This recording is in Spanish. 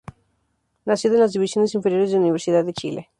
Nacido en las divisiones inferiores de Universidad de Chile.